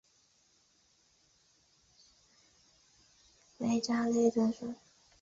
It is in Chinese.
勒札勒喇布坦希哩珠特袭封杜尔伯特部札萨克特古斯库鲁克达赖汗。